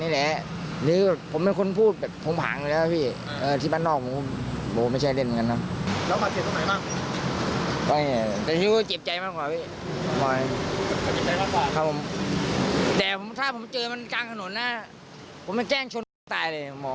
แล้วจะจบไหมเนี่ย